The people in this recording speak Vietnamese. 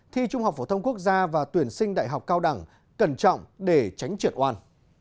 thi trung học phổ thông quốc gia và tuyển sinh đại học cao đẳng cẩn trọng để tránh trượt oan